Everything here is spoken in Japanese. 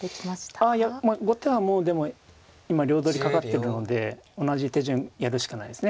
あっいや後手はもう今両取りかかってるので同じ手順やるしかないですね。